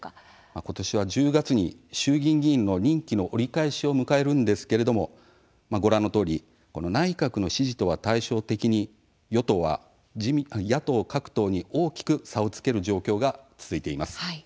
今年は１０月に衆議院議員の任期の折り返しを迎えるんですけれどもご覧のとおり内閣の支持とは対照的に与党は野党各党に大きく差をつける状況が続いています。